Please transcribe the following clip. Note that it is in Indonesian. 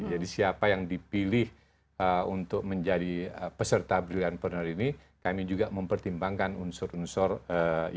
jadi siapa yang dipilih untuk menjadi peserta brilliantpreneur ini kami juga mempertimbangkan unsur unsur isg tadi